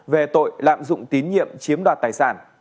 về tội lạm dụng tín nhiệm chiếm đoạt tài sản